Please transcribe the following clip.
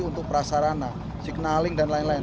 untuk prasarana signaling dan lain lain